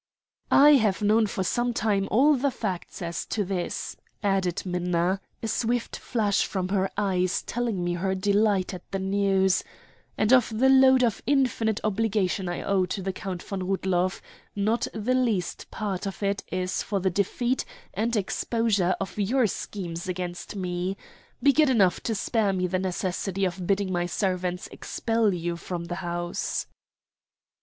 "I have known for some time all the facts as to this," added Minna, a swift flash from her eyes telling me her delight at the news, "and of the load of infinite obligation I owe to the Count von Rudloff; not the least part of it is for the defeat and exposure of your schemes against me. Be good enough to spare me the necessity of bidding my servants expel you from the house."